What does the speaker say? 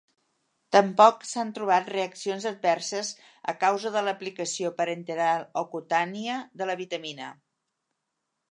Tampoc s’han trobat reaccions adverses a causa de l'aplicació parenteral o cutània de la vitamina.